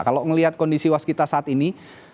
kalau melihat kondisi waskita saat ini